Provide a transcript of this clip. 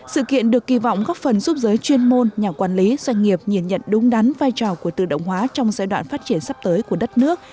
sự kiện được kỳ vọng góp phần giúp giới chuyên môn nhà quản lý doanh nghiệp nhìn nhận đúng đắn vai trò của tự động hóa trong giai đoạn phát triển sắp tới của đất nước